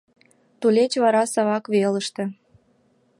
ТУЛЕЧ ВАРА САВАК ВЕЛЫШТЕ